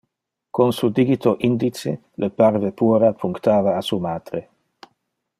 Con su digito indice, le parve puera punctava a su matre.